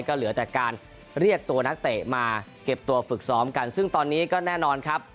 ก็เหลือแต่การเรียกตัวนักเตะมาเก็บตัวฝึกซ้อมกันซึ่งตอนนี้ก็แน่นอนครับ